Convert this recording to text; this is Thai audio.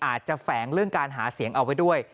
แฝงเรื่องการหาเสียงเอาไว้ด้วย